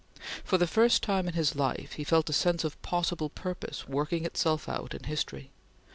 For the first time in his life, he felt a sense of possible purpose working itself out in history.